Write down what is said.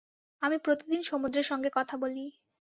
আমি প্রতিদিন সমুদ্রের সঙ্গে কথা বলি।